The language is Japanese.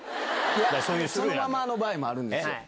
そのままの場合もあるんですよ。